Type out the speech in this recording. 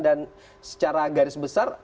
dan secara garis besar